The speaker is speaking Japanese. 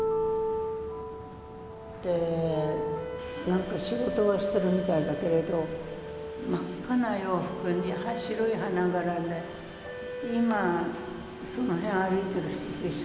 何か仕事はしているみたいだけれど真っ赤な洋服に白い花柄で今その辺歩いている人と一緒ですね。